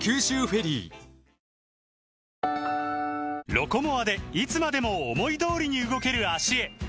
「ロコモア」でいつまでも思い通りに動ける脚へ！